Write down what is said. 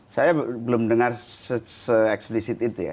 saya belum dengar se eksplisit itu ya